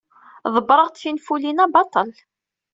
Ḍebbreɣ-d tinfulin-a baṭel.